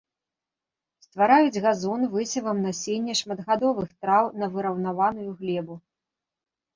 Ствараюць газон высевам насення шматгадовых траў на выраўнаваную глебу.